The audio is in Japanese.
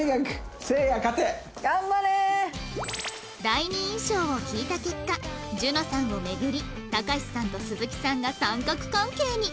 第二印象を聞いた結果樹乃さんをめぐりたかしさんと鈴木さんが三角関係に